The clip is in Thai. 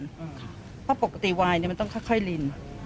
ค่ะเพราะปกติวายนี่มันต้องค่อยริน